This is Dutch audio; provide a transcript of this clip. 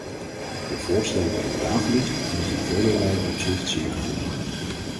De voorstellen die op tafel liggen, liggen in velerlei opzicht zeer gevoelig.